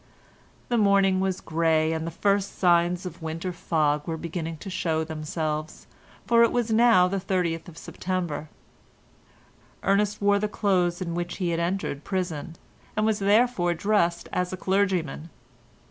The morning was grey, and the first signs of winter fog were beginning to show themselves, for it was now the 30th of September. Ernest wore the clothes in which he had entered prison, and was therefore dressed as a clergyman.